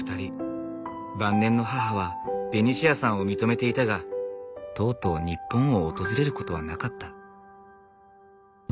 晩年の母はベニシアさんを認めていたがとうとう日本を訪れることはなかった。